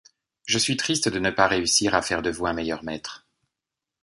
Je suis triste de ne pas réussir à faire de vous un meilleur maître.